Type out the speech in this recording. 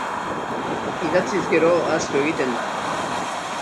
Idatziz gero ahaztu egiten da!